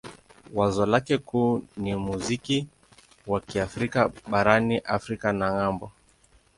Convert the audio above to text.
Wazo lake kuu ni muziki wa Kiafrika barani Afrika na ng'ambo.